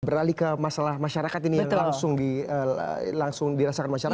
beralih ke masalah masyarakat ini yang langsung dirasakan masyarakat